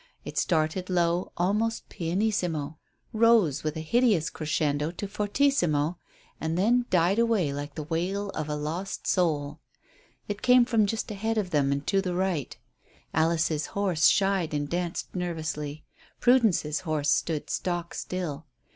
It started low, almost pianissimo, rose with a hideous crescendo to fortissimo, and then died away like the wail of a lost soul. It came from just ahead of them and to the right. Alice's horse shied and danced nervously. Prudence's horse stood stock still.